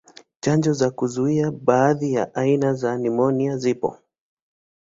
Chanjo za kuzuia baadhi ya aina za nimonia zipo.